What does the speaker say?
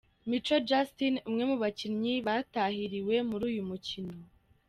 Mico Justin umwe mu bakinnyi batahiriwe muri uyu mukino.